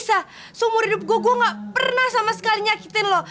lisa seumur hidup gue gue gak pernah sama sekali nyakitin lo